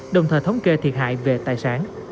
đồng thời thống kê thiệt hại về tài sản